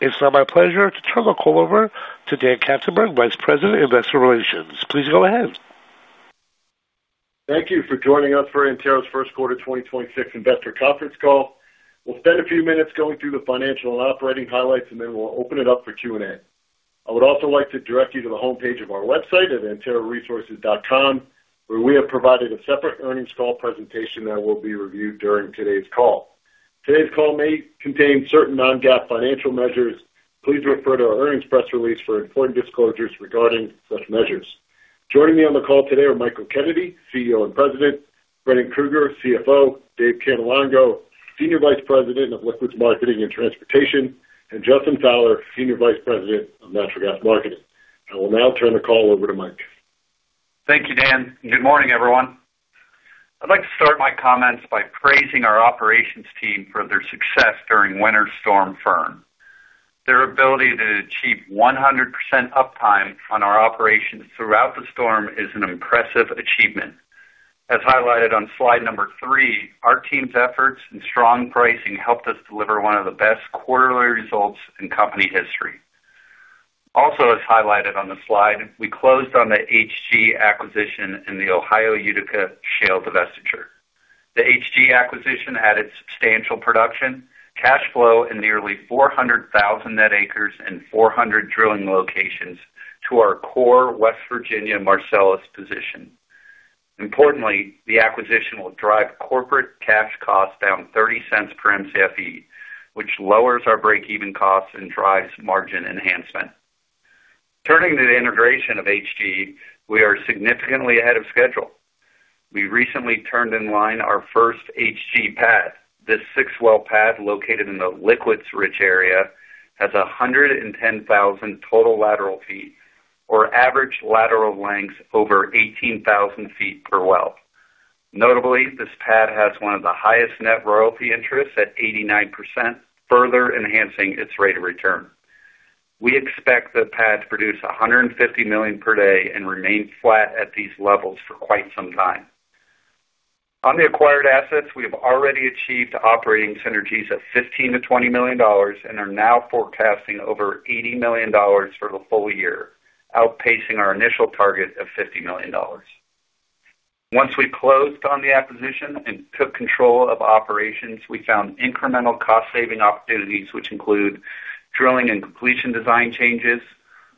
It's now my pleasure to turn the call over to Dan Katzenberg, Vice President, Investor Relations. Please go ahead. Thank you for joining us for Antero's first quarter 2026 investor conference call. We'll spend a few minutes going through the financial and operating highlights, and then we'll open it up for Q&A. I would also like to direct you to the homepage of our website at anteroresources.com, where we have provided a separate earnings call presentation that will be reviewed during today's call. Today's call may contain certain non-GAAP financial measures. Please refer to our earnings press release for important disclosures regarding such measures. Joining me on the call today are Michael Kennedy, CEO and President; Brendan Krueger, CFO; Dave Cannelongo, Senior Vice President of Liquids Marketing and Transportation; and Justin Fowler, Senior Vice President of Natural Gas Marketing. I will now turn the call over to Mike. Thank you, Dan. Good morning, everyone. I'd like to start my comments by praising our operations team for their success during Winter Storm Fern. Their ability to achieve 100% uptime on our operations throughout the storm is an impressive achievement. As highlighted on slide number three, our team's efforts and strong pricing helped us deliver one of the best quarterly results in company history. Also, as highlighted on the slide, we closed on the HG acquisition in the Ohio Utica Shale divestiture. The HG acquisition added substantial production, cash flow in nearly 400,000 net acres and 400 drilling locations to our core West Virginia Marcellus position. Importantly, the acquisition will drive corporate cash costs down $0.30 per Mcfe, which lowers our breakeven costs and drives margin enhancement. Turning to the integration of HG, we are significantly ahead of schedule. We recently turned in line our first HG pad. This six-well pad, located in the liquids-rich area, has 110,000 total lateral feet or average lateral lengths over 18,000 feet per well. Notably, this pad has one of the highest net royalty interests at 89%, further enhancing its rate of return. We expect the pad to produce 150 million per day and remain flat at these levels for quite some time. On the acquired assets, we have already achieved operating synergies of $15 million-$20 million and are now forecasting over $80 million for the full year, outpacing our initial target of $50 million. Once we closed on the acquisition and took control of operations, we found incremental cost-saving opportunities, which include drilling and completion design changes,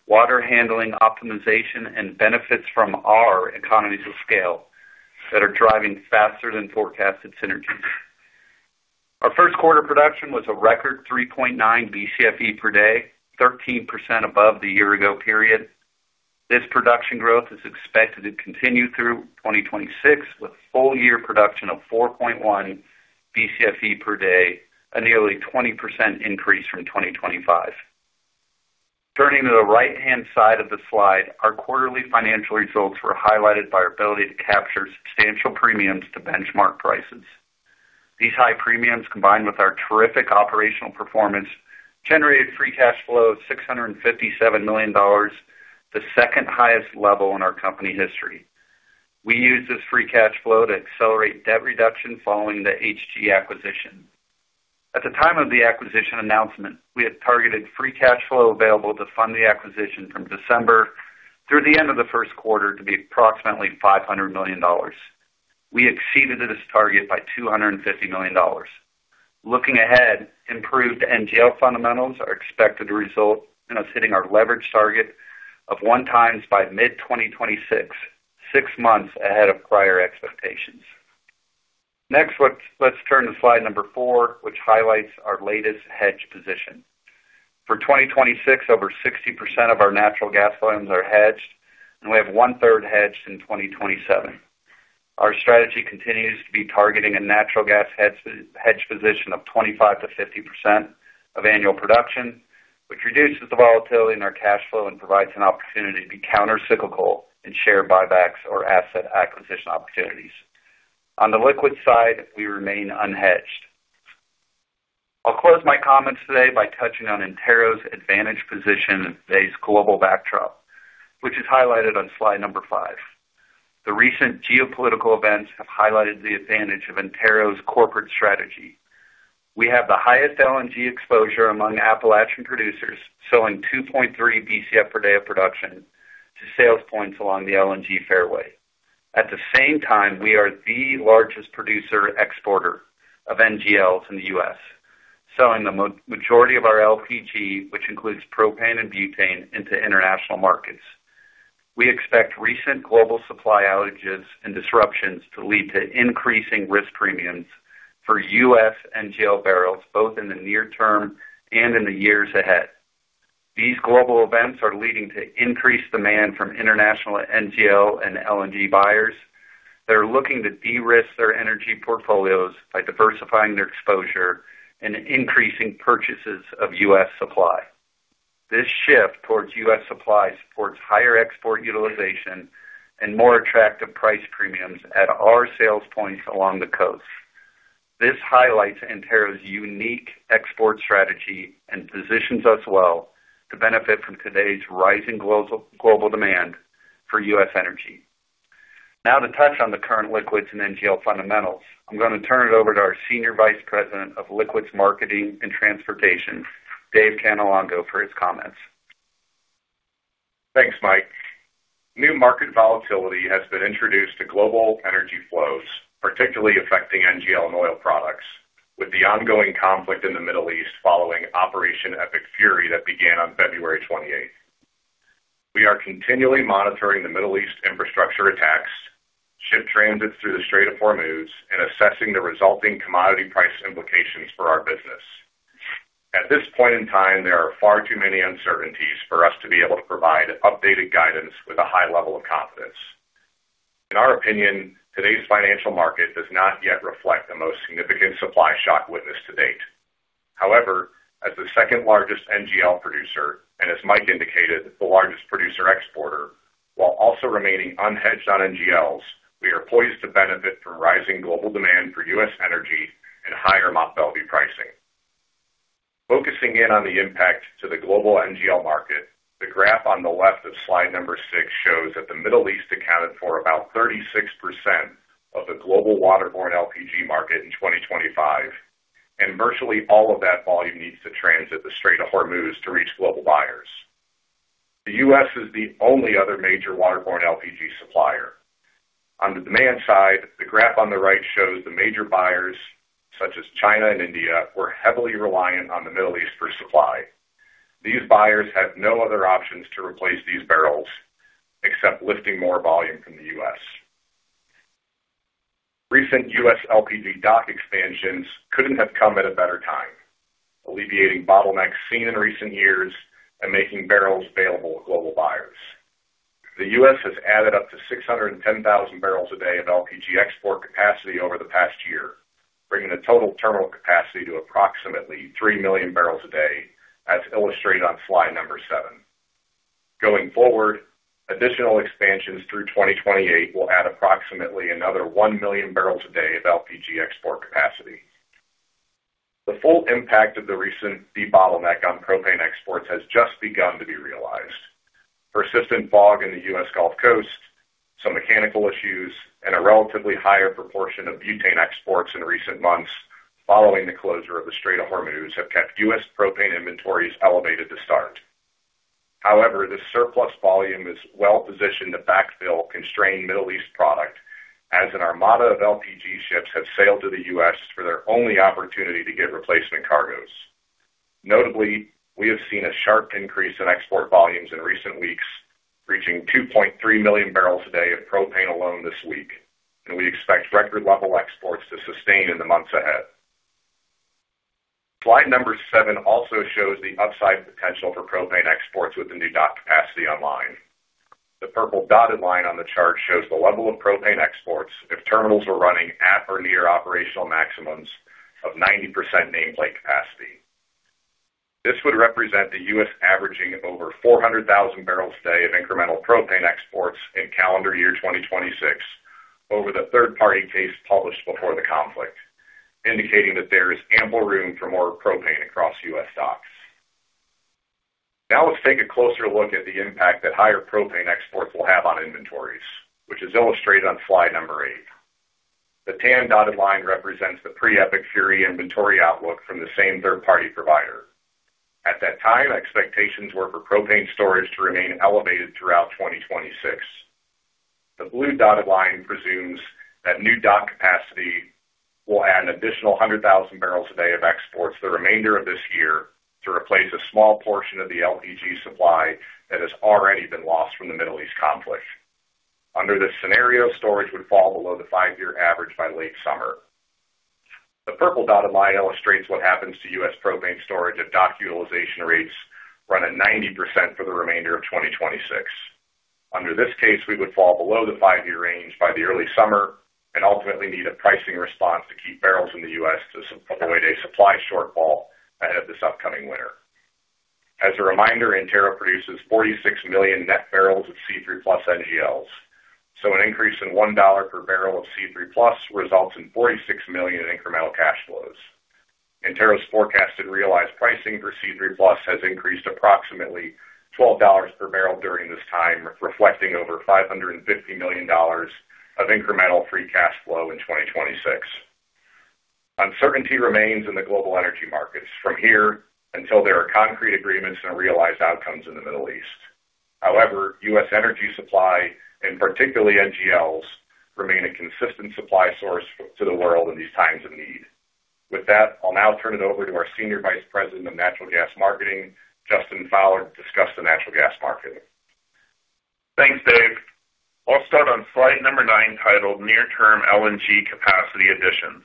water handling optimization, and benefits from our economies of scale that are driving faster than forecasted synergies. Our first quarter production was a record 3.9 Bcfe/d, 13% above the year-ago period. This production growth is expected to continue through 2026, with full-year production of 4.1 Bcfe/d, a nearly 20% increase from 2025. Turning to the right-hand side of the slide, our quarterly financial results were highlighted by our ability to capture substantial premiums to benchmark prices. These high premiums, combined with our terrific operational performance, generated free cash flow of $657 million, the second-highest level in our company history. We used this free cash flow to accelerate debt reduction following the HG acquisition. At the time of the acquisition announcement, we had targeted free cash flow available to fund the acquisition from December through the end of the first quarter to be approximately $500 million. We exceeded this target by $250 million. Looking ahead, improved NGL fundamentals are expected to result in us hitting our leverage target of 1x by mid-2026, six months ahead of prior expectations. Next, let's turn to slide number four, which highlights our latest hedge position. For 2026, over 60% of our natural gas volumes are hedged, and we have one-third hedged in 2027. Our strategy continues to be targeting a natural gas hedge position of 25%-50% of annual production, which reduces the volatility in our cash flow and provides an opportunity to be countercyclical in share buybacks or asset acquisition opportunities. On the liquid side, we remain unhedged. I'll close my comments today by touching on Antero's advantage position in today's global backdrop, which is highlighted on slide number five. The recent geopolitical events have highlighted the advantage of Antero's corporate strategy. We have the highest LNG exposure among Appalachian producers, selling 2.3 Bcfe/d of production to sales points along the LNG fairway. At the same time, we are the largest producer exporter of NGLs in the U.S., selling the majority of our LPG, which includes propane and butane, into international markets. We expect recent global supply outages and disruptions to lead to increasing risk premiums for U.S. NGL barrels, both in the near term and in the years ahead. These global events are leading to increased demand from international NGL and LNG buyers that are looking to de-risk their energy portfolios by diversifying their exposure and increasing purchases of U.S. supply. This shift towards U.S. supply supports higher export utilization and more attractive price premiums at our sales points along the coast. This highlights Antero's unique export strategy and positions us well to benefit from today's rising global demand for U.S. energy. To touch on the current liquids and NGL fundamentals, I'm gonna turn it over to our Senior Vice President of Liquids Marketing and Transportation, Dave Cannelongo, for his comments. Thanks, Mike. New market volatility has been introduced to global energy flows, particularly affecting NGL and oil products, with the ongoing conflict in the Middle East following Operation Epic Fury that began on February 28th. We are continually monitoring the Middle East infrastructure attacks, ship transits through the Strait of Hormuz, and assessing the resulting commodity price implications for our business. At this point in time, there are far too many uncertainties for us to be able to provide updated guidance with a high level of confidence. In our opinion, today's financial market does not yet reflect the most significant supply shock witnessed to date. However, as the second-largest NGL producer and, as Mike indicated, the largest producer exporter, while also remaining unhedged on NGLs, we are poised to benefit from rising global demand for U.S. energy and higher Mont Belvieu pricing. Focusing in on the impact to the global NGL market, the graph on the left of slide number six shows that the Middle East accounted for about 36% of the global waterborne LPG market in 2025, and virtually all of that volume needs to transit the Strait of Hormuz to reach global buyers. The U.S. is the only other major waterborne LPG supplier. On the demand side, the graph on the right shows the major buyers, such as China and India, were heavily reliant on the Middle East for supply. These buyers have no other options to replace these barrels except lifting more volume from the U.S.. Recent U.S. LPG dock expansions couldn't have come at a better time, alleviating bottlenecks seen in recent years and making barrels available to global buyers. The U.S. has added up to 610 MBbl/d of LPG export capacity over the past year, bringing the total terminal capacity to approximately 3 MMBbl/d, as illustrated on slide number seven. Going forward, additional expansions through 2028 will add approximately another 1 MMBbl/d of LPG export capacity. The full impact of the recent debottleneck on propane exports has just begun to be realized. Persistent fog in the U.S. Gulf Coast, some mechanical issues, and a relatively higher proportion of butane exports in recent months following the closure of the Strait of Hormuz have kept U.S. propane inventories elevated to start. However, the surplus volume is well-positioned to backfill constrained Middle East product, as an armada of LPG ships have sailed to the U.S. for their only opportunity to get replacement cargoes. Notably, we have seen a sharp increase in export volumes in recent weeks, reaching 2.3 MMBbl/d of propane alone this week. We expect record level exports to sustain in the months ahead. Slide number seven also shows the upside potential for propane exports with the new dock capacity online. The purple dotted line on the chart shows the level of propane exports if terminals were running at or near operational maximums of 90% nameplate capacity. This would represent the U.S. averaging over 400 MBbl/d of incremental propane exports in calendar year 2026 over the third-party case published before the conflict, indicating that there is ample room for more propane across U.S. docks. Let's take a closer look at the impact that higher propane exports will have on inventories, which is illustrated on slide number eight. The tan dotted line represents the pre-Epic Fury inventory outlook from the same third-party provider. At that time, expectations were for propane storage to remain elevated throughout 2026. The blue dotted line presumes that new dock capacity will add an additional 100 MBbl/d of exports the remainder of this year to replace a small portion of the LPG supply that has already been lost from the Middle East conflict. Under this scenario, storage would fall below the five-year average by late summer. The purple dotted line illustrates what happens to U.S. propane storage if dock utilization rates run at 90% for the remainder of 2026. Under this case, we would fall below the five-year range by the early summer and ultimately need a pricing response to keep barrels in the U.S. to avoid a supply shortfall ahead of this upcoming winter. As a reminder, Antero produces 46 million net barrels of C3+ NGLs, so an increase in $1 per barrel of C3+ results in $46 million in incremental cash flows. Antero's forecasted realized pricing for C3+ has increased approximately $12 per barrel during this time, reflecting over $550 million of incremental free cash flow in 2026. Uncertainty remains in the global energy markets from here until there are concrete agreements and realized outcomes in the Middle East. However, U.S. energy supply, and particularly NGLs, remain a consistent supply source to the world in these times of need. With that, I'll now turn it over to our Senior Vice President of Natural Gas Marketing, Justin Fowler, to discuss the natural gas market. Thanks, Dave. I'll start on slide number nine, titled Near Term LNG Capacity Additions.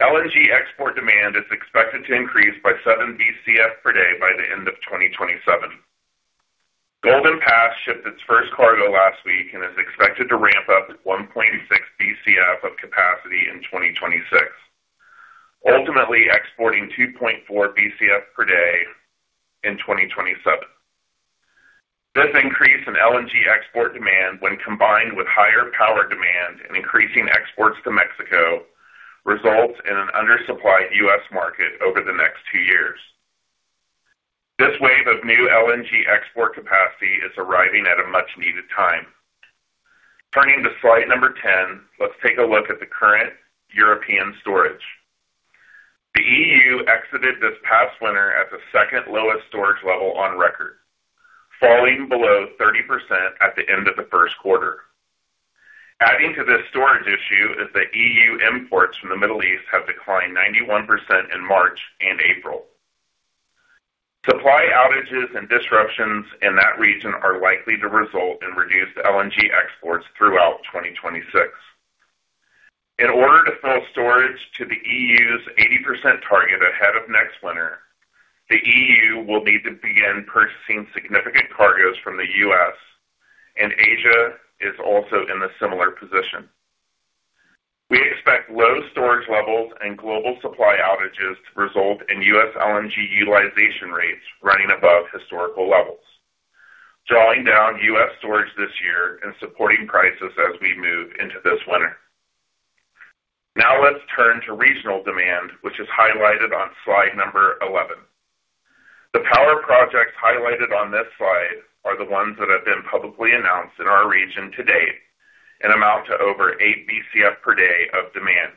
LNG export demand is expected to increase by 7 Bcf/d by the end of 2027. Golden Pass shipped its first cargo last week and is expected to ramp up 1.6 Bcf of capacity in 2026, ultimately exporting 2.4 Bcf/d in 2027. This increase in LNG export demand, when combined with higher power demand and increasing exports to Mexico, results in an undersupplied U.S. market over the next two years. This wave of new LNG export capacity is arriving at a much needed time. Turning to slide number 10, let's take a look at the current European storage. The EU exited this past winter at the second lowest storage level on record, falling below 30% at the end of the first quarter. Adding to this storage issue is that EU imports from the Middle East have declined 91% in March and April. Supply outages and disruptions in that region are likely to result in reduced LNG exports throughout 2026. In order to fill storage to the EU's 80% target ahead of next winter, the EU will need to begin purchasing significant cargos from the U.S., and Asia is also in a similar position. We expect low storage levels and global supply outages to result in U.S. LNG utilization rates running above historical levels, drawing down U.S. storage this year and supporting prices as we move into this winter. Let's turn to regional demand, which is highlighted on slide number 11. The power projects highlighted on this slide are the ones that have been publicly announced in our region to date and amount to over 8 Bcf/d of demand.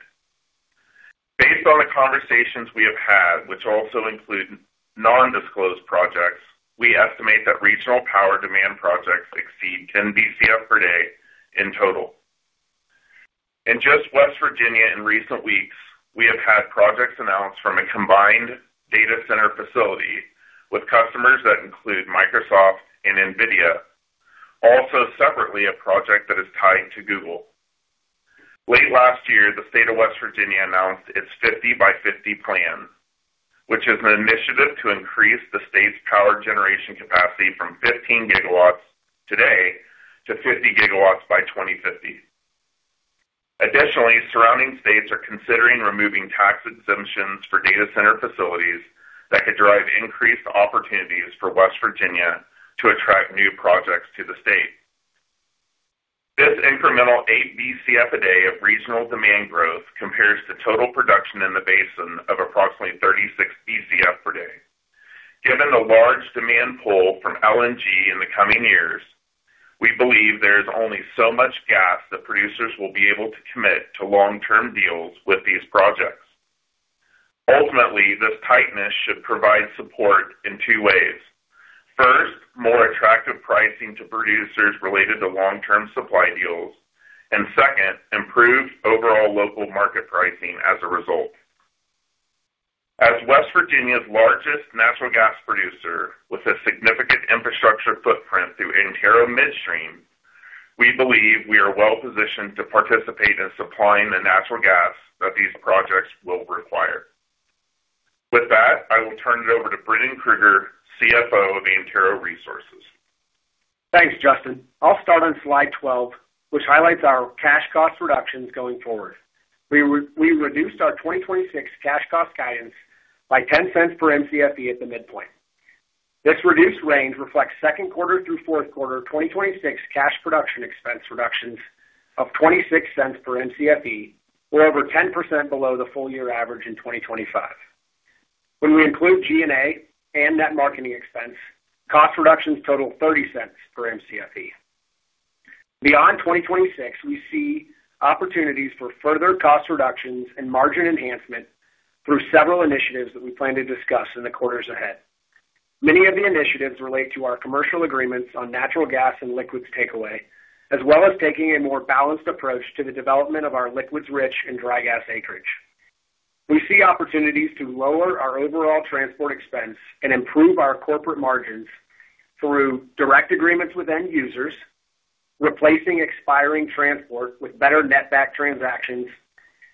Based on the conversations we have had, which also include non-disclosed projects, we estimate that regional power demand projects exceed 10 Bcf/d in total. In just West Virginia in recent weeks, we have had projects announced from a combined data center facility with customers that include Microsoft and NVIDIA. Also separately, a project that is tied to Google. Late last year, the State of West Virginia announced its 50 by 50 plan, which is an initiative to increase the state's power generation capacity from 15 GW today to 50 GW by 2050. Additionally, surrounding states are considering removing tax exemptions for data center facilities that could drive increased opportunities for West Virginia to attract new projects to the state. This incremental 8 Bcf/d of regional demand growth compares to total production in the basin of approximately 36 Bcf/d. Given the large demand pull from LNG in the coming years, we believe there is only so much gas that producers will be able to commit to long-term deals with these projects. Ultimately, this tightness should provide support in two ways. First, more attractive pricing to producers related to long-term supply deals, and second, improved overall local market pricing as a result. As West Virginia's largest natural gas producer with a significant infrastructure footprint through Antero Midstream, we believe we are well-positioned to participate in supplying the natural gas that these projects will require. With that, I will turn it over to Brendan Krueger, CFO of Antero Resources. Thanks, Justin. I'll start on slide 12, which highlights our cash cost reductions going forward. We reduced our 2026 cash cost guidance by $0.10 per Mcfe at the midpoint. This reduced range reflects second quarter through fourth quarter 2026 cash production expense reductions of $0.26 per Mcfe, or over 10% below the full year average in 2025. When we include G&A and net marketing expense, cost reductions total $0.30 per Mcfe. Beyond 2026, we see opportunities for further cost reductions and margin enhancement through several initiatives that we plan to discuss in the quarters ahead. Many of the initiatives relate to our commercial agreements on natural gas and liquids takeaway, as well as taking a more balanced approach to the development of our liquids rich and dry gas acreage. We see opportunities to lower our overall transport expense and improve our corporate margins through direct agreements with end users, replacing expiring transport with better net back transactions,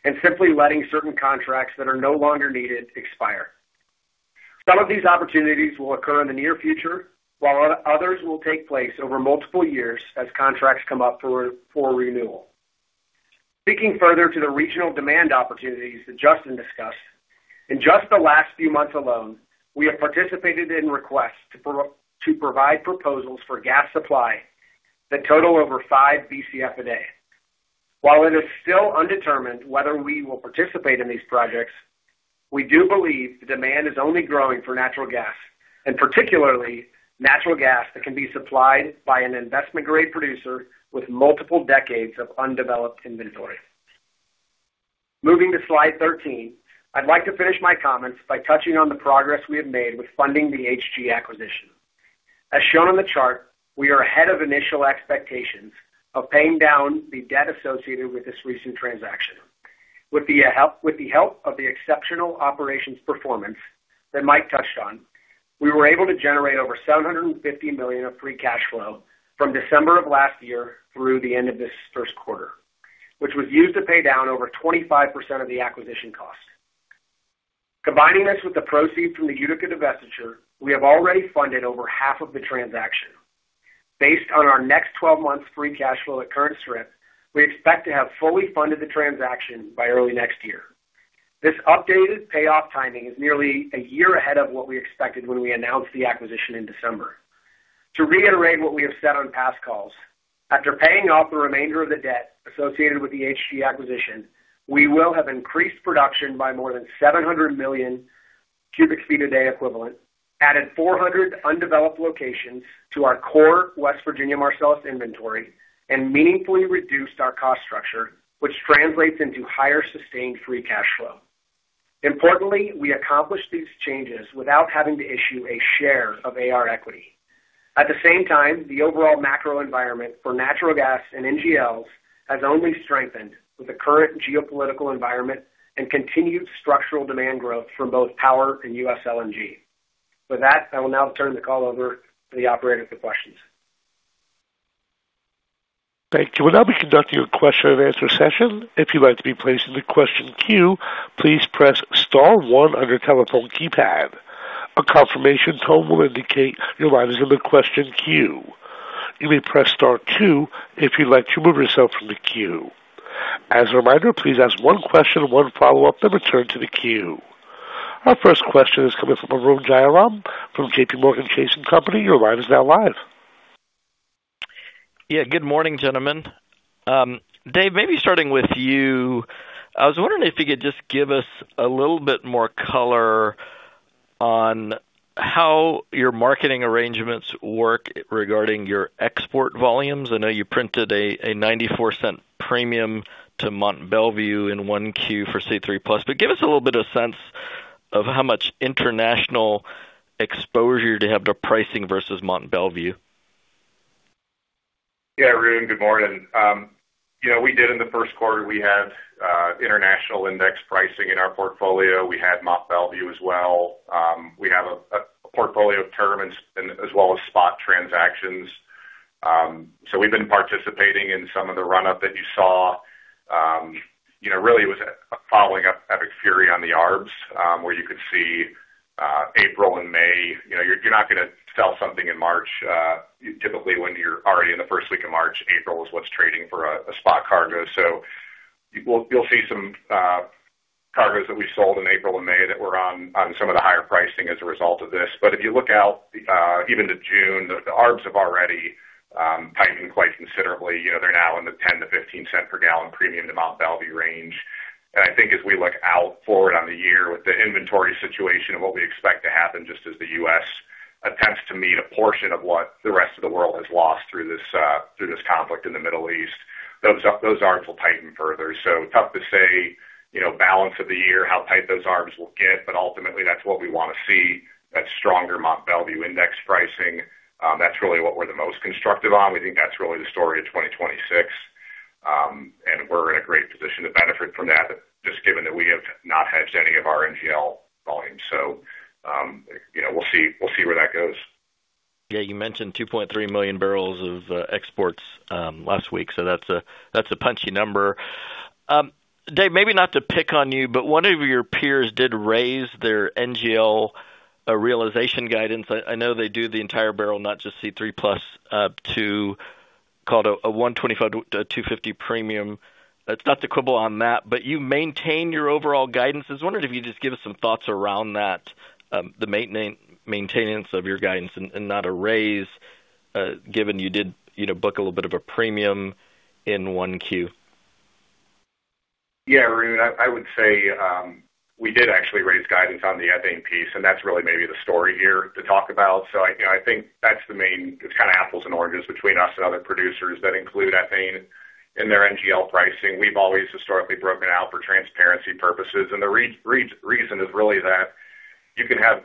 and simply letting certain contracts that are no longer needed expire. Some of these opportunities will occur in the near future, while others will take place over multiple years as contracts come up for renewal. Speaking further to the regional demand opportunities that Justin discussed, in just the last few months alone, we have participated in requests to provide proposals for gas supply that total over 5 Bcf/d. While it is still undetermined whether we will participate in these projects, we do believe the demand is only growing for natural gas, and particularly natural gas that can be supplied by an investment-grade producer with multiple decades of undeveloped inventory. Moving to slide 13, I'd like to finish my comments by touching on the progress we have made with funding the HG acquisition. As shown on the chart, we are ahead of initial expectations of paying down the debt associated with this recent transaction. With the help of the exceptional operations performance that Mike touched on, we were able to generate over $750 million of free cash flow from December of last year through the end of this first quarter, which was used to pay down over 25% of the acquisition cost. Combining this with the proceeds from the Utica divestiture, we have already funded over half of the transaction. Based on our next 12 months free cash flow at current strip, we expect to have fully funded the transaction by early next year. This updated payoff timing is nearly a year ahead of what we expected when we announced the acquisition in December. To reiterate what we have said on past calls, after paying off the remainder of the debt associated with the HG acquisition, we will have increased production by more than 700 million cu ft a day equivalent, added 400 undeveloped locations to our core West Virginia Marcellus inventory, and meaningfully reduced our cost structure, which translates into higher sustained free cash flow. Importantly, we accomplished these changes without having to issue a share of AR equity. At the same time, the overall macro environment for natural gas and NGLs has only strengthened with the current geopolitical environment and continued structural demand growth from both power and U.S. LNG. With that, I will now turn the call over to the operator for questions. Thank you. We'll now be conducting a question-and-answer session. If you'd like to be placed in the question queue, please press star one on your telephone keypad. A confirmation tone will indicate your line is in the question queue. You may press star two if you'd like to remove yourself from the queue. As a reminder, please ask one question and one follow-up, then return to the queue. Our first question is coming from Arun Jayaram from JPMorgan Chase & Co. Your line is now live. Yeah. Good morning, gentlemen. Dave, maybe starting with you, I was wondering if you could just give us a little bit more color on how your marketing arrangements work regarding your export volumes. I know you printed a $0.94 premium to Mont Belvieu in Q1 for C3+. Give us a little bit of sense of how much international exposure to have to pricing versus Mont Belvieu. Arun, good morning. You know, we did in the first quarter, we had international index pricing in our portfolio. We had Mont Belvieu as well. We have a portfolio of term as well as spot transactions. We've been participating in some of the run-up that you saw. You know, really it was a following up Operation Epic Fury on the arbs, where you could see April and May. You know, you're not gonna sell something in March. Typically, when you're already in the first week of March, April is what's trading for a spot cargo. You'll see some cargos that we sold in April and May that were on some of the higher pricing as a result of this. If you look out, even to June, the arbs have already tightened quite considerably. You know, they're now in the $0.10-$0.15 per gallon premium to Mont Belvieu range. I think as we look out forward on the year with the inventory situation and what we expect to happen, just as the U.S. attempts to meet a portion of what the rest of the world has lost through this, through this conflict in the Middle East, those arbs will tighten further. Tough to say, you know, balance of the year, how tight those arbs will get, but ultimately that's what we wanna see, that stronger Mont Belvieu index pricing. That's really what we're the most constructive on. We think that's really the story of 2026. We're in a great position to benefit from that, just given that we have not hedged any of our NGL volumes. You know, we'll see, we'll see where that goes. Yeah. You mentioned 2.3 MMBbl of exports last week, so that's a, that's a punchy number. Dave, maybe not to pick on you, but one of your peers did raise their NGL realization guidance. I know they do the entire barrel, not just C3+, to call it a $1.25-$2.50 premium. That's not to quibble on that, but you maintain your overall guidance. I was wondering if you could just give us some thoughts around that, the maintenance of your guidance and not a raise, given you did, you know, book a little bit of a premium in Q1. Arun, I would say, we did actually raise guidance on the ethane piece, that's really maybe the story here to talk about. I think it's kind of apples and oranges between us and other producers that include ethane in their NGL pricing. We've always historically broken out for transparency purposes, the reason is really that you can have,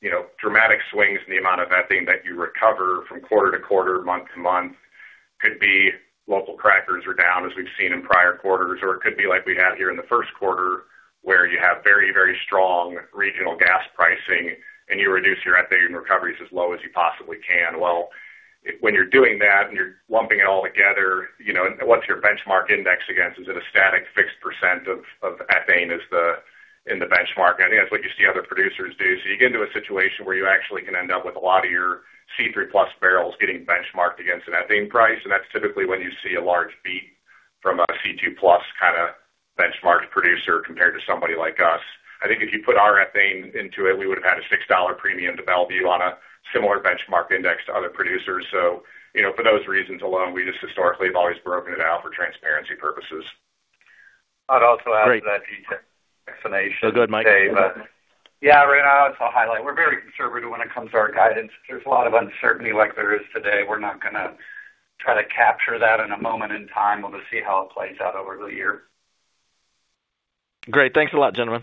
you know, dramatic swings in the amount of ethane that you recover from quarter-to-quarter, month-to-month. Could be local crackers are down as we've seen in prior quarters, or it could be like we had here in the first quarter, where you have very, very strong regional gas pricing and you reduce your ethane recoveries as low as you possibly can. Well, when you're doing that and you're lumping it all together, you know, what's your benchmark index against? Is it a static fixed percent of ethane as the in the benchmark? I think that's what you see other producers do. You get into a situation where you actually can end up with a lot of your C3+ barrels getting benchmarked against an ethane price, and that's typically when you see a large beat from a C2+ kinda benchmarked producer compared to somebody like us. I think if you put our ethane into it, we would've had a $6 premium to Belvieu on a similar benchmark index to other producers. You know, for those reasons alone, we just historically have always broken it out for transparency purposes. I'd also add to that detail... Great. explanation. Go ahead, Mike. Yeah. Arun, I'll highlight. We're very conservative when it comes to our guidance. If there's a lot of uncertainty like there is today, we're not gonna try to capture that in a moment in time. We'll just see how it plays out over the year. Great. Thanks a lot, gentlemen.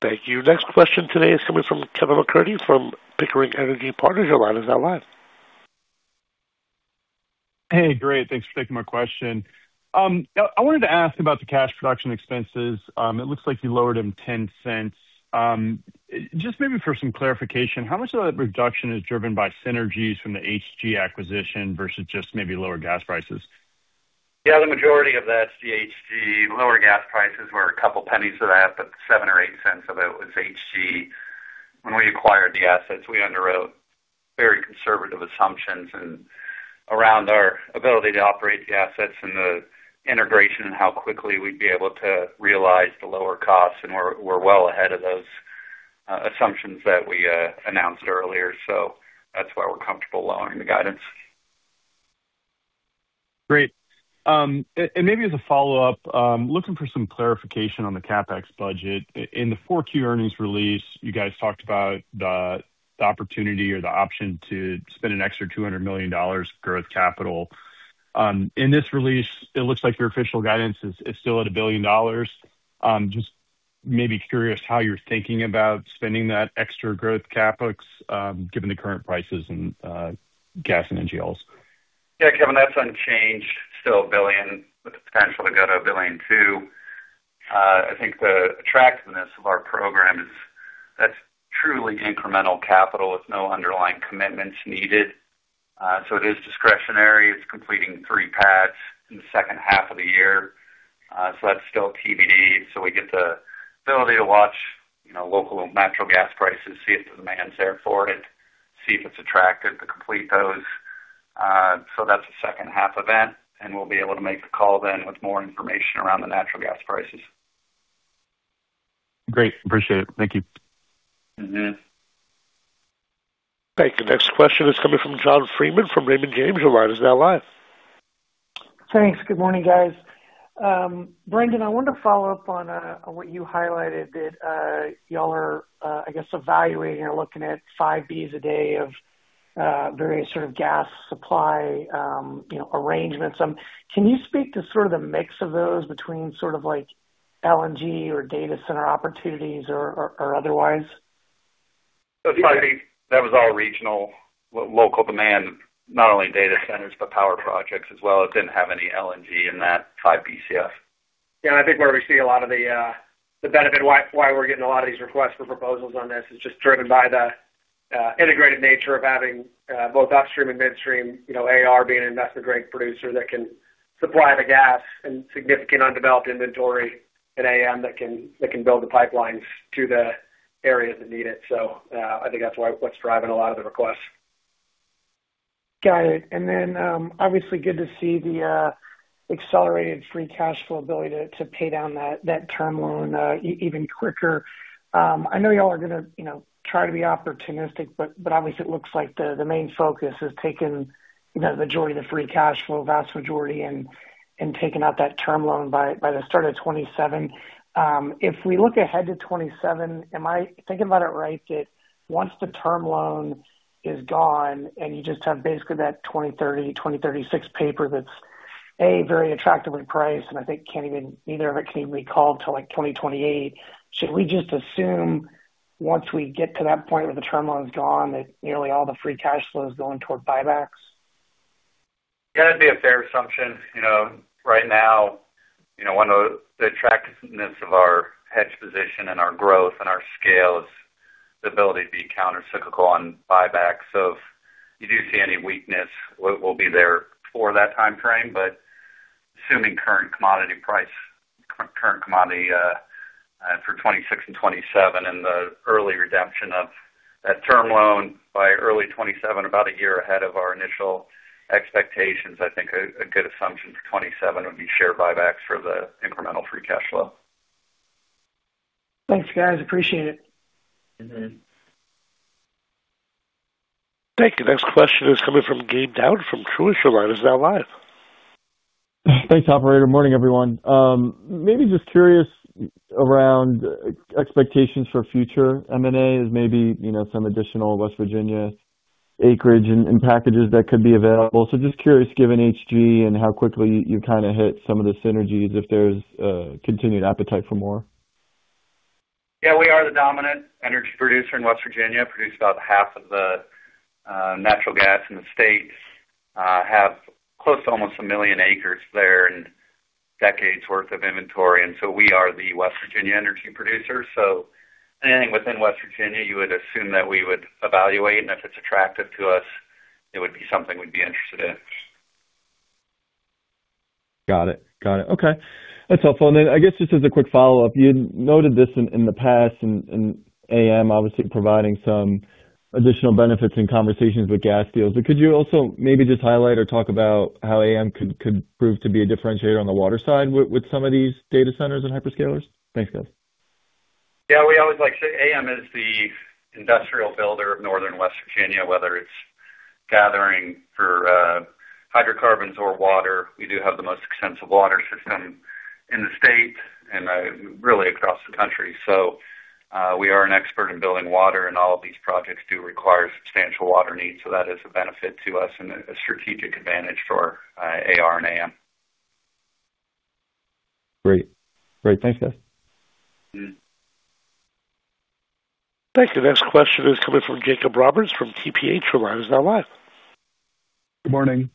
Thank you. Next question today is coming from Kevin MacCurdy from Pickering Energy Partners. Your line is now live. Hey. Great. Thanks for taking my question. I wanted to ask about the cash production expenses. It looks like you lowered them $0.10. Just maybe for some clarification, how much of that reduction is driven by synergies from the HG acquisition versus just maybe lower gas prices? Yeah. The majority of that's the HG. Lower gas prices were couple pennies of that, but $0.07 or $0.08 of it was HG. When we acquired the assets, we underwrote. Very conservative assumptions and around our ability to operate the assets and the integration and how quickly we'd be able to realize the lower costs. We're well ahead of those assumptions that we announced earlier. That's why we're comfortable lowering the guidance. Great. And maybe as a follow-up, looking for some clarification on the CapEx budget. In the Q4 earnings release, you guys talked about the opportunity or the option to spend an extra $200 million growth capital. In this release, it looks like your official guidance is still at $1 billion. Just maybe curious how you're thinking about spending that extra growth CapEx, given the current prices in gas and NGLs. Yeah, Kevin, that's unchanged. Still $1 billion with the potential to go to $1.2 billion. I think the attractiveness of our program is that's truly incremental capital with no underlying commitments needed. It is discretionary. It's completing three pads in the second half of the year. That's still TBD. We get the ability to watch, you know, local natural gas prices, see if the demand's there for it, see if it's attractive to complete those. That's a second-half event, and we'll be able to make the call then with more information around the natural gas prices. Great. Appreciate it. Thank you. Mm-hmm. Thank you. Next question is coming from John Freeman from Raymond James. Your line is now live. Thanks. Good morning, guys. Brendan, I wanted to follow up on what you highlighted that y'all are, I guess, evaluating or looking at 5 Bs a day of various sort of gas supply, you know, arrangements. Can you speak to sort of the mix of those between sort of like LNG or data center opportunities or, or otherwise? 5 B, that was all regional local demand, not only data centers, but power projects as well. It didn't have any LNG in that 5 Bcf. Yeah. I think where we see a lot of the benefit why we're getting a lot of these requests for proposals on this is just driven by the integrated nature of having both upstream and midstream, you know, AR being an investor-grade producer that can supply the gas and significant undeveloped inventory at AM that can build the pipelines to the areas that need it. I think what's driving a lot of the requests. Got it. Obviously good to see the accelerated free cash flow ability to pay down that net term loan even quicker. I know y'all are gonna, you know, try to be opportunistic, but obviously it looks like the main focus is taking, you know, the majority of the free cash flow, vast majority, and taking out that term loan by the start of 2027. If we look ahead to 2027, am I thinking about it right that once the term loan is gone and you just have basically that 2030, 2036 paper that's a very attractively priced, and I think neither of it can even be called till like 2028? Should we just assume once we get to that point where the term loan is gone, that nearly all the free cash flow is going toward buybacks? That'd be a fair assumption. You know, right now, you know, one of the attractiveness of our hedge position and our growth and our scale is the ability to be countercyclical on buybacks. If you do see any weakness, we'll be there for that timeframe. Assuming current commodity price for 2026 and 2027 and the early redemption of that term loan by early 2027, about a year ahead of our initial expectations, I think a good assumption for 2027 would be share buybacks for the incremental free cash flow. Thanks, guys. Appreciate it. Mm-hmm. Thank you. Next question is coming from Gabe Daoud from Truist. Your line is now live. Thanks, operator. Morning, everyone. Maybe just curious around expectations for future M&As, maybe, you know, some additional West Virginia acreage and packages that could be available. Just curious, given HG and how quickly you kind of hit some of the synergies if there's continued appetite for more. Yeah, we are the dominant energy producer in West Virginia. Produce about half of the natural gas in the state. Have close to almost 1 million acres there and decades worth of inventory. We are the West Virginia energy producer. Anything within West Virginia, you would assume that we would evaluate, and if it's attractive to us, it would be something we'd be interested in. Got it. Got it. Okay. That's helpful. I guess just as a quick follow-up, you noted this in the past, and AM obviously providing some additional benefits in conversations with gas deals. Could you also maybe just highlight or talk about how AM could prove to be a differentiator on the water side with some of these data centers and hyperscalers? Thanks, guys. Yeah. We always like to say AM is the industrial builder of Northern West Virginia, whether it's gathering for hydrocarbons or water. We do have the most extensive water system in the state and really across the country. We are an expert in building water, and all of these projects do require substantial water needs, so that is a benefit to us and a strategic advantage for AR and AM. Great. Great. Thanks, guys. Mm-hmm. Thank you. Next question is coming from Jacob Roberts from TPH. Your line is now live. Good morning.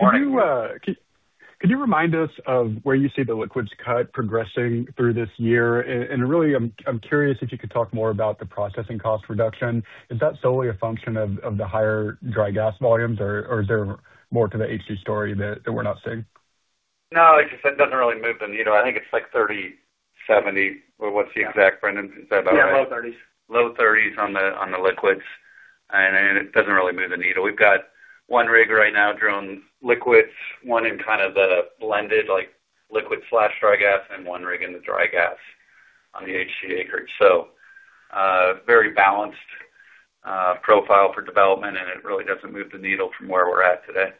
Morning. Could you remind us of where you see the liquids cut progressing through this year? Really, I'm curious if you could talk more about the processing cost reduction. Is that solely a function of the higher dry gas volumes or is there more to the HC story that we're not seeing? No, it just, it doesn't really move the needle. I think it's like 30/70 or what's the exact, Brendan? Is that about right? Yeah, low 30s. Low 30s on the liquids, it doesn't really move the needle. We've got one rig right now drilling liquids, one in kind of the blended, like liquid/dry gas, one rig in the dry gas on the HG acreage. Very balanced profile for development, it really doesn't move the needle from where we're at today.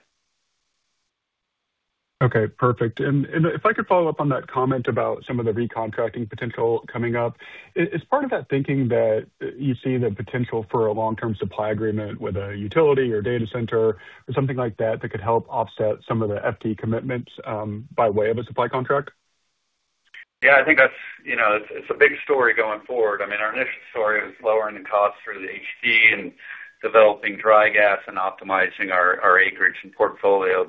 Okay, perfect. If I could follow up on that comment about some of the re-contracting potential coming up. Is part of that thinking that you see the potential for a long-term supply agreement with a utility or data center or something like that could help offset some of the FT commitments by way of a supply contract? Yeah, I think that's, you know, it's a big story going forward. I mean, our initial story was lowering the cost through the HG and developing dry gas and optimizing our acreage and portfolio.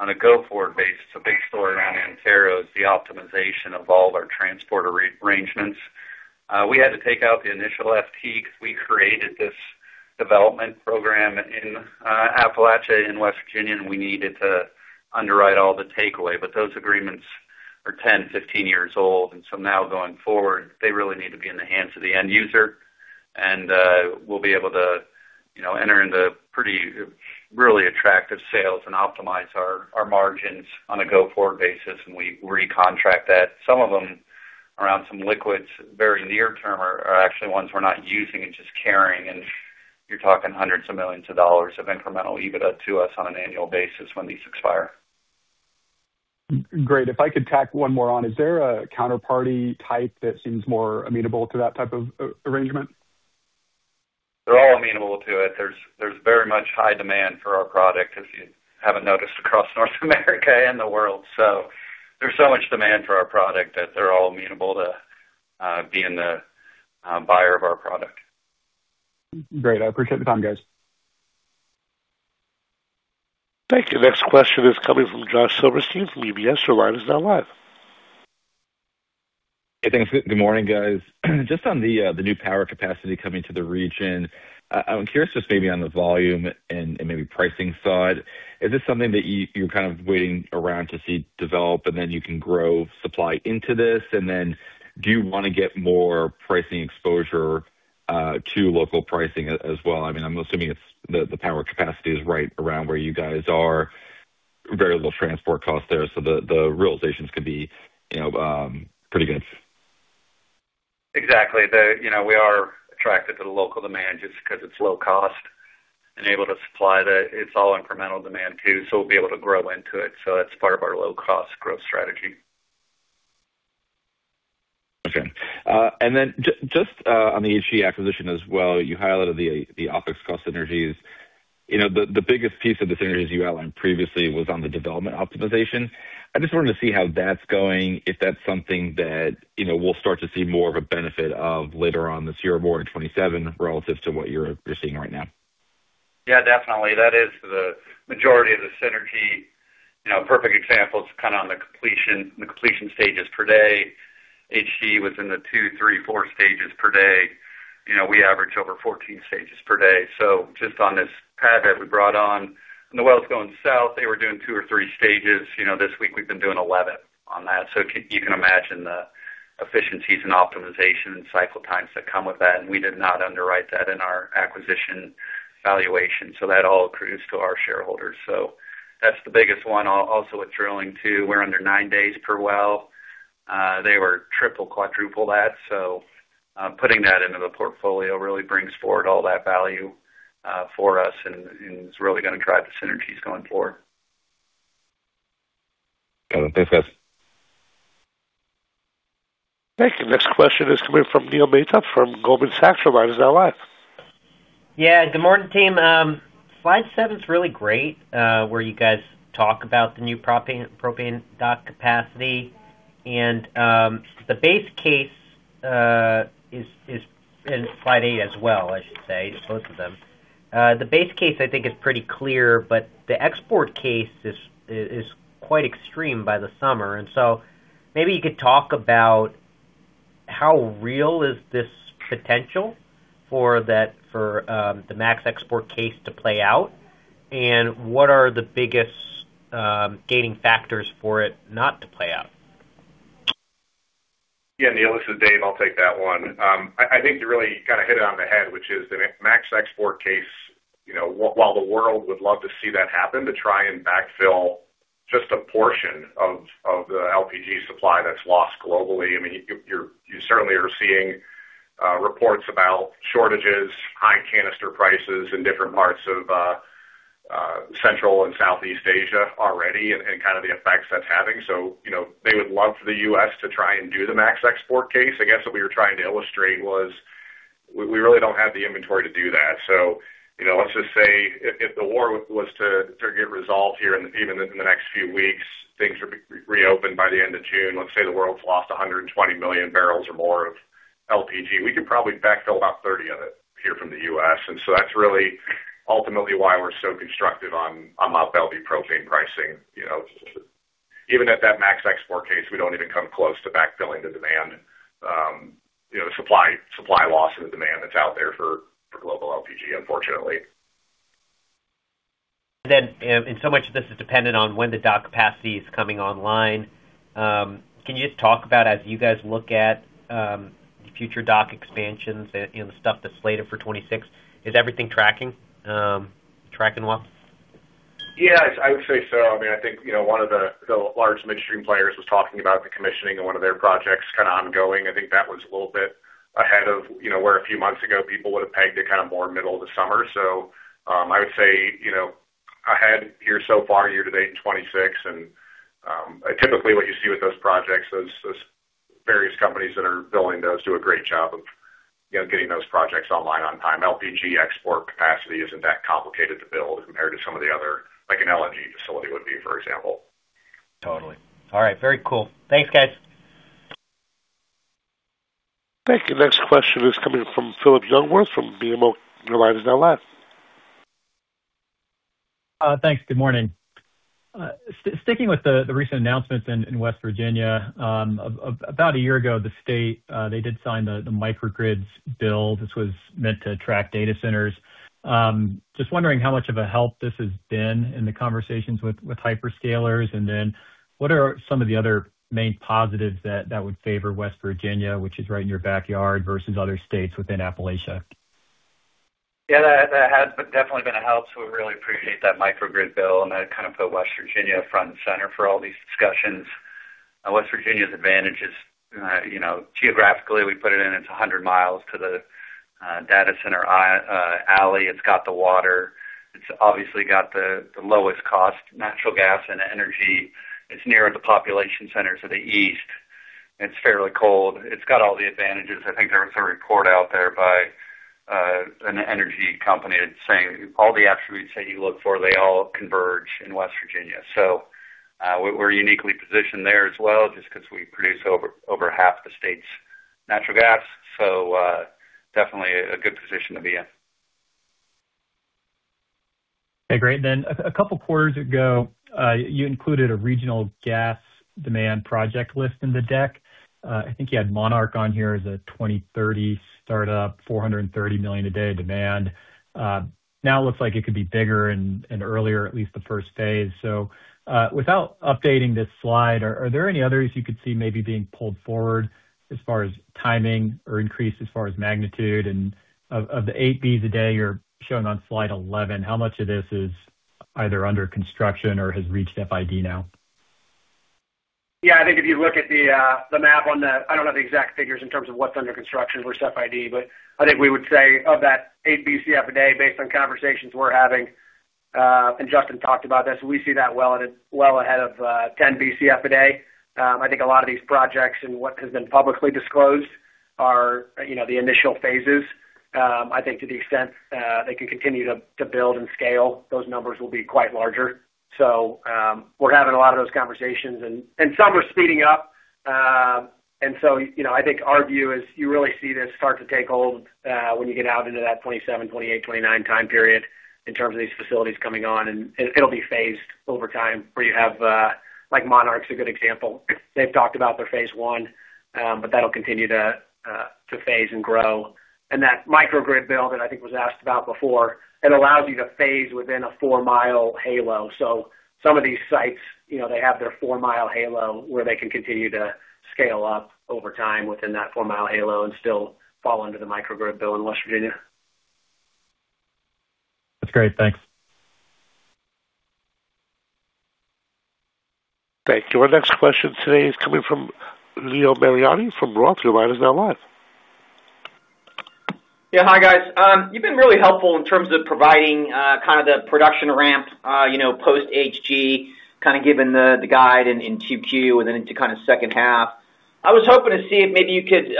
On a go-forward basis, a big story around Antero is the optimization of all our transporter re-arrangements. We had to take out the initial FT 'cause we created this development program in Appalachia in West Virginia, and we needed to underwrite all the takeaway. Those agreements are 10, 15 years old, and so now going forward, they really need to be in the hands of the end user. We'll be able to, you know, enter into pretty, really attractive sales and optimize our margins on a go-forward basis, and we recontract that. Some of them around some liquids, very near term, are actually ones we're not using and just carrying. You're talking hundreds of millions of dollars of incremental EBITDA to us on an annual basis when these expire. Great. If I could tack one more on. Is there a counterparty type that seems more amenable to that type of arrangement? They're all amenable to it. There's very much high demand for our product, if you haven't noticed, across North America and the world. There's so much demand for our product that they're all amenable to being the buyer of our product. Great. I appreciate the time, guys. Thank you. Next question is coming from Josh Silverstein from UBS. Your line is now live. Hey, thanks. Good morning, guys. On the new power capacity coming to the region. I'm curious maybe on the volume and maybe pricing side. Is this something that you're kind of waiting around to see develop and then you can grow supply into this? Do you wanna get more pricing exposure to local pricing as well? I mean, I'm assuming the power capacity is right around where you guys are. Very little transport costs there, the realizations could be, you know, pretty good. Exactly. You know, we are attracted to the local demand just 'cause it's low cost and able to supply. It's all incremental demand too, so we'll be able to grow into it. That's part of our low-cost growth strategy. Okay. Just on the HG acquisition as well, you highlighted the OpEx cost synergies. You know, the biggest piece of the synergies you outlined previously was on the development optimization. I just wanted to see how that's going, if that's something that, you know, we'll start to see more of a benefit of later on this year or more in 2027 relative to what you're seeing right now. Yeah, definitely. That is the majority of the synergy. You know, a perfect example is kind of on the completion stages per day. HG was in the two, three, four stages per day. You know, we average over 14 stages per day. Just on this pad that we brought on, and the well's going south, they were doing two or three stages. You know, this week we've been doing 11 on that. You can imagine the efficiencies and optimization and cycle times that come with that. We did not underwrite that in our acquisition valuation, so that all accrues to our shareholders. That's the biggest one. Also with drilling too, we're under nine days per well. They were triple, quadruple that. Putting that into the portfolio really brings forward all that value for us and is really gonna drive the synergies going forward. Got it. Thanks, guys. Thank you. Next question is coming from Neil Mehta from Goldman Sachs. Your line is now live. Yeah. Good morning, team. Slide seven's really great, where you guys talk about the new propane dock capacity. The base case is. Slide eight as well, I should say, both of them. The base case I think is pretty clear, but the export case is quite extreme by the summer. Maybe you could talk about how real is this potential for the max export case to play out, and what are the biggest gating factors for it not to play out? Yeah, Neil, this is Dave. I'll take that one. I think you really kind of hit it on the head, which is the max export case. You know, while the world would love to see that happen, to try and backfill just a portion of the LPG supply that's lost globally, I mean, you're certainly are seeing reports about shortages, high canister prices in different parts of Central and Southeast Asia already and kind of the effects that's having. You know, they would love for the U.S. to try and do the max export case. I guess what we were trying to illustrate was we really don't have the inventory to do that. You know, let's just say if the war was to get resolved here in even in the next few weeks, things are reopened by the end of June. Let's say the world's lost 120 million barrels or more of LPG. We could probably backfill about 30 of it here from the U.S. That's really ultimately why we're so constructive on Mont Belvieu propane pricing. You know, even at that max export case, we don't even come close to backfilling the demand, you know, supply loss and the demand that's out there for global LPG, unfortunately. So much of this is dependent on when the dock capacity is coming online. Can you just talk about as you guys look at future dock expansions and the stuff that's slated for 2026, is everything tracking well? Yeah, I would say so. I mean, I think, you know, one of the large midstream players was talking about the commissioning of one of their projects kind of ongoing. I think that was a little bit ahead of, you know, where a few months ago people would have pegged it kind of more middle of the summer. I would say, you know, ahead here so far year to date in 2026. Typically what you see with those projects, those various companies that are building those do a great job of, you know, getting those projects online on time. LPG export capacity isn't that complicated to build compared to some of the other, like an LNG facility would be, for example. Totally. All right. Very cool. Thanks, guys. Thank you. Next question is coming from Phillip Jungwirth from BMO. Your line is now live. Thanks. Good morning. sticking with the recent announcements in West Virginia. about one year ago, the state, they did sign the microgrids bill. This was meant to attract data centers. just wondering how much of a help this has been in the conversations with hyperscalers? What are some of the other main positives that would favor West Virginia, which is right in your backyard, versus other states within Appalachia? Yeah, that has definitely been a help. We really appreciate that microgrid bill. That kind of put West Virginia front and center for all these discussions. West Virginia's advantage is, you know, geographically, we put it in, it's 100 miles to the data center alley. It's got the water. It's obviously got the lowest cost natural gas and energy. It's near the population centers of the East. It's fairly cold. It's got all the advantages. I think there was a report out there by an energy company saying all the attributes that you look for, they all converge in West Virginia. We're uniquely positioned there as well, just 'cause we produce over half the state's natural gas. Definitely a good position to be in. Okay, great. A couple quarters ago, you included a regional gas demand project list in the deck. I think you had Monarch on here as a 2030 startup, 430 million a day demand. Now it looks like it could be bigger and earlier, at least the first phase. Without updating this slide, are there any others you could see maybe being pulled forward as far as timing or increase as far as magnitude? Of the 8 Bs a day you're showing on slide 11, how much of this is either under construction or has reached FID now? Yeah, I think if you look at the map on the I don't know the exact figures in terms of what's under construction versus FID, but I think we would say of that 8 Bcf/d, based on conversations we're having, and Justin talked about this, we see that well ahead of 10 Bcf/d. I think a lot of these projects and what has been publicly disclosed are, you know, the initial phases. I think to the extent they can continue to build and scale, those numbers will be quite larger. We're having a lot of those conversations and some are speeding up. You know, I think our view is you really see this start to take hold when you get out into that 27, 28, 29 time period in terms of these facilities coming on. It'll be phased over time, where you have. Like Monarch's a good example. They've talked about their phase 1, that'll continue to phase and grow. That microgrid bill that I think was asked about before, it allows you to phase within a 4-mile halo. Some of these sites, you know, they have their 4-mile halo where they can continue to scale up over time within that 4-mile halo and still fall under the microgrid bill in West Virginia. That's great. Thanks. Thank you. Our next question today is coming from Leo Mariani from Roth. Your line is now live. Yeah. Hi, guys. You've been really helpful in terms of providing kind of the production ramp post HG, kind of given the guide in Q2 and then into kind of second half. I was hoping to see if maybe you could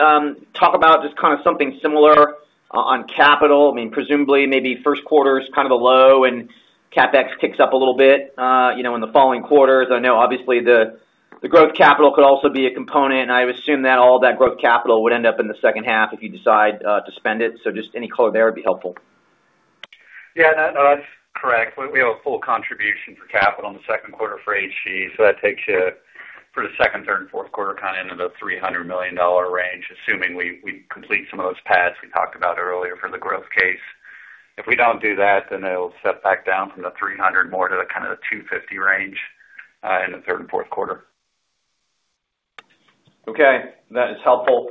talk about just kind of something similar on capital. I mean, presumably maybe first quarter is kind of a low and CapEx kicks up a little bit in the following quarters. I know obviously the growth capital could also be a component, and I would assume that all that growth capital would end up in the second half if you decide to spend it. Just any color there would be helpful. Yeah, that is correct. We have a full contribution for capital in the second quarter for HG. That takes you for the second, third, and fourth quarter, kind of into the $300 million range, assuming we complete some of those pads we talked about earlier for the growth case. If we don't do that, it'll set back down from the $300 more to the kind of $250 range, in the third and fourth quarter. Okay. That is helpful.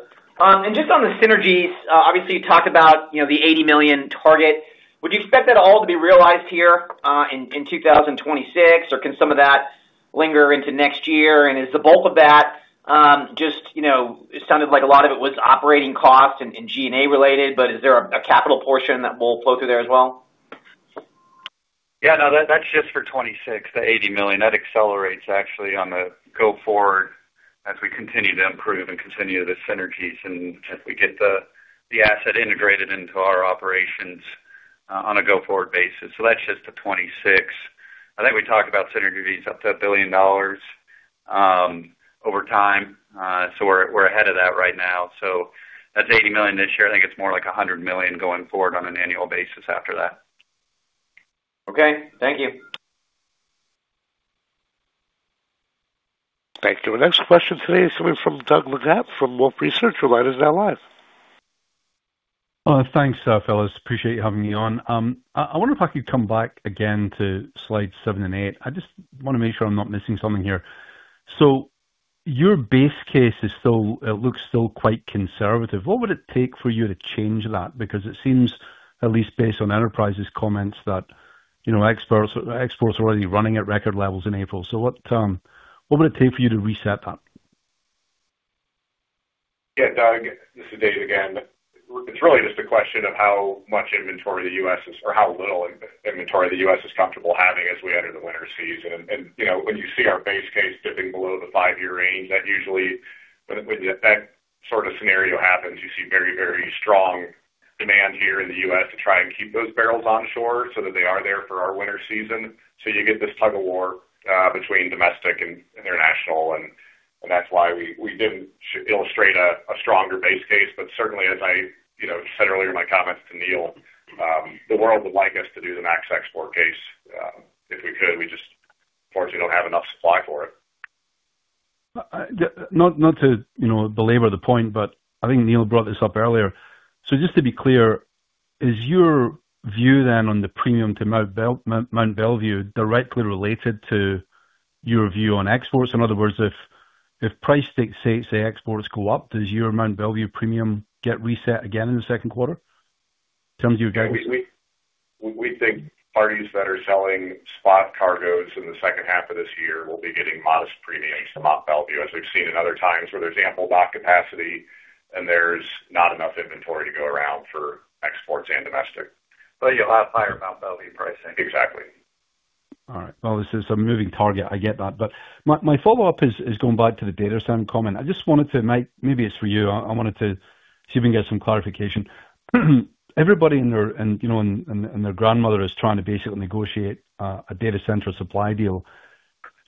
Just on the synergies, obviously you talked about, you know, the $80 million target. Would you expect that all to be realized here in 2026, or can some of that linger into next year? Is the bulk of that, just, you know, it sounded like a lot of it was operating costs and G&A related, but is there a capital portion that will flow through there as well? Yeah, no, that's just for 2026, the $80 million. That accelerates actually on the go forward as we continue to improve and continue the synergies and as we get the asset integrated into our operations on a go-forward basis. That's just to 2026. I think we talked about synergies up to $1 billion over time. We're ahead of that right now. That's $80 million this year. I think it's more like $100 million going forward on an annual basis after that. Okay. Thank you. Thank you. Our next question today is coming from Doug Leggate, from Wolfe Research. Your line is now live. Thanks, fellas. Appreciate you having me on. I wonder if I could come back again to slide seven and eight. I just wanna make sure I'm not missing something here. Your base case it looks still quite conservative. What would it take for you to change that? It seems, at least based on Enterprise's comments that, you know, exports are already running at record levels in April. What would it take for you to reset that? Yeah. Doug, this is Dave again. It's really just a question of how much inventory the U.S. is or how little in-inventory the U.S. is comfortable having as we enter the winter season. You know, when you see our base case dipping below the five-year range, that usually when that sort of scenario happens, you see very, very strong demand here in the U.S. to try and keep those barrels on shore so that they are there for our winter season. You get this tug-of-war between domestic and international. That's why we didn't illustrate a stronger base case. Certainly, as I, you know, said earlier in my comments to Neil, the world would like us to do the max export case if we could. We just unfortunately don't have enough supply for it. Not to, you know, belabor the point, I think Neil brought this up earlier. Just to be clear, is your view then on the premium to Mont Belvieu directly related to your view on exports? In other words, if say exports go up, does your Mont Belvieu premium get reset again in the second quarter in terms of your guidance? We think parties that are selling spot cargoes in the second half of this year will be getting modest premiums to Mont Belvieu, as we've seen in other times where there's ample dock capacity and there's not enough inventory to go around for exports and domestic. You'll have higher Mont Belvieu pricing. Exactly. All right. Well, this is a moving target, I get that. My follow-up is going back to the data center comment. Maybe it's for you. I wanted to see if we can get some clarification. Everybody and their, you know, and their grandmother is trying to basically negotiate a data center supply deal.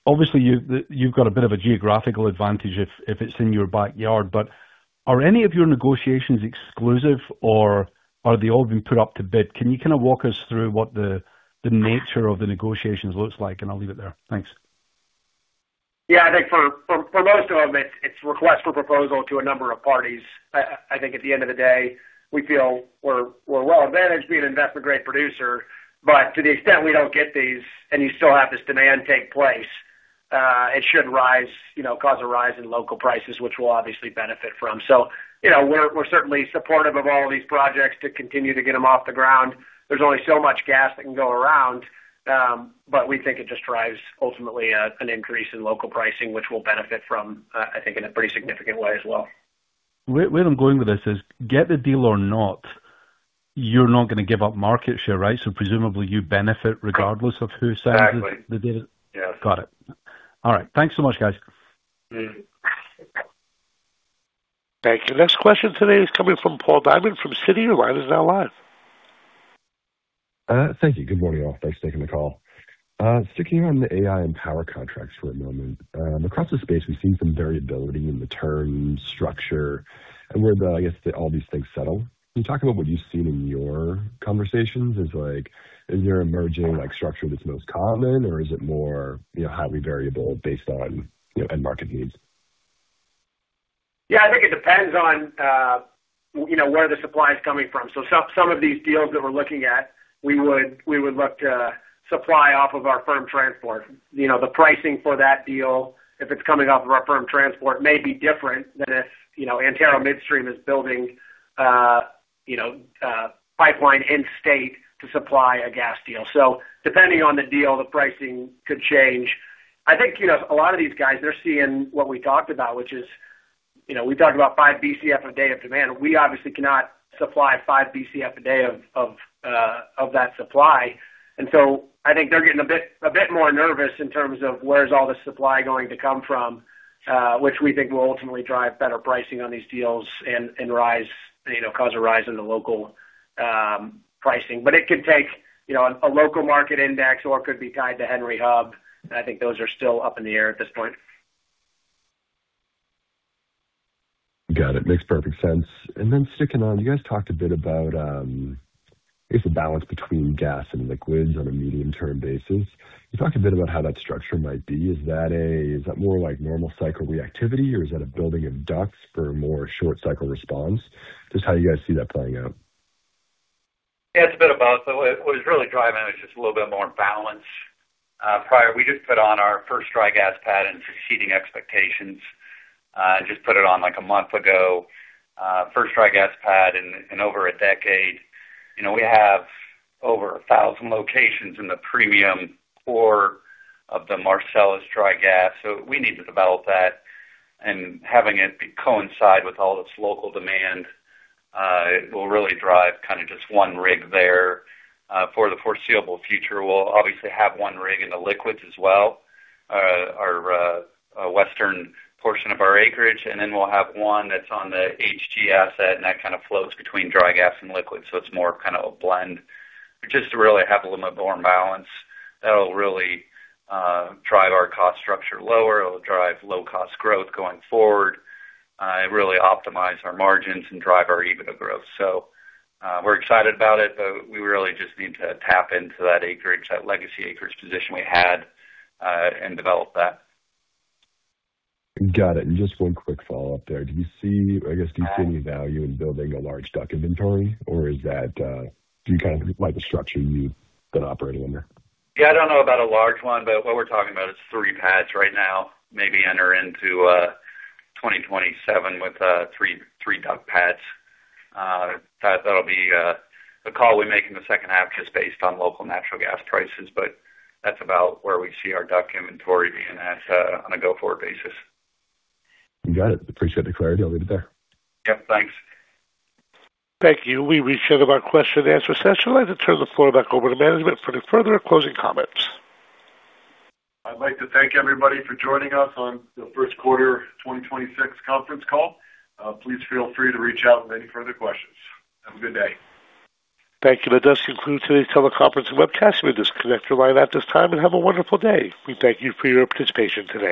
Obviously, you've got a bit of a geographical advantage if it's in your backyard. Are any of your negotiations exclusive or are they all being put up to bid? Can you kind of walk us through what the nature of the negotiations looks like? I'll leave it there. Thanks. I think for most of them, it's request for proposal to a number of parties. I think at the end of the day, we feel we're well-advantaged being an investment-grade producer. To the extent we don't get these and you still have this demand take place, it should rise, you know, cause a rise in local prices, which we'll obviously benefit from. You know, we're certainly supportive of all these projects to continue to get them off the ground. There's only so much gas that can go around. We think it just drives ultimately an increase in local pricing, which we'll benefit from, I think in a pretty significant way as well. Where I'm going with this is get the deal or not, you're not gonna give up market share, right? Presumably you benefit regardless of who signs... Exactly. the data? Yes. Got it. All right. Thanks so much, guys. Mm-hmm. Thank you. Next question today is coming from Paul Diamond from Citi. Your line is now live. Thank you. Good morning, all. Thanks for taking the call. Sticking on the AI and power contracts for a moment. Across the space, we've seen some variability in the term structure and where the, I guess the, all these things settle. Can you talk about what you've seen in your conversations? Is there an emerging like structure that's most common or is it more, you know, highly variable based on, you know, end market needs? Yeah. I think it depends on, you know, where the supply is coming from. Some of these deals that we're looking at, we would look to supply off of our firm transport. You know, the pricing for that deal, if it's coming off of our firm transport, may be different than if, you know, Antero Midstream is building, you know, pipeline in state to supply a gas deal. Depending on the deal, the pricing could change. I think, you know, a lot of these guys, they're seeing what we talked about, which is, you know, we talked about 5 Bcf/d of demand. We obviously cannot supply 5 Bcf/d of that supply. I think they're getting a bit more nervous in terms of where's all the supply going to come from, which we think will ultimately drive better pricing on these deals and rise, you know, cause a rise in the local pricing. It could take, you know, a local market index or it could be tied to Henry Hub. I think those are still up in the air at this point. Got it. Makes perfect sense. Then sticking on, you guys talked a bit about, I guess the balance between gas and liquids on a medium-term basis. Can you talk a bit about how that structure might be? Is that more like normal cycle reactivity or is that a building of ducts for a more short cycle response? Just how you guys see that playing out. Yeah. It's a bit of both. What is really driving it is just a little bit more balance. We just put on our first dry gas pad and succeeding expectations, and just put it on like a month ago. First dry gas pad in over a decade. You know, we have over 1,000 locations in the premium core of the Marcellus dry gas, so we need to develop that. Having it coincide with all this local demand, it will really drive kinda just one rig there for the foreseeable future. We'll obviously have one rig in the liquids as well, our western portion of our acreage, and then we'll have one that's on the HG asset, and that kinda floats between dry gas and liquids. It's more kind of a blend. Just to really have a little bit more balance, that'll really drive our cost structure lower. It'll drive low cost growth going forward. It really optimize our margins and drive our EBITDA growth. We're excited about it, but we really just need to tap into that acreage, that legacy acreage position we had and develop that. Got it. Just one quick follow-up there. I guess, do you see any value in building a large duct inventory or is that? Do you kind of like the structure you've been operating under? Yeah, I don't know about a large one. What we're talking about is three pads right now. Maybe enter into 2027 with three duct pads. That'll be the call we make in the second half just based on local natural gas prices. That's about where we see our duct inventory being at on a go-forward basis. Got it. Appreciate the clarity. I'll leave it there. Yep. Thanks. Thank you. We've reached the end of our question-and-answer session. I'd like to turn the floor back over to management for any further closing comments. I'd like to thank everybody for joining us on the first quarter 2026 conference call. Please feel free to reach out with any further questions. Have a good day. Thank you. That does conclude today's teleconference and webcast. You may disconnect your line at this time and have a wonderful day. We thank you for your participation today.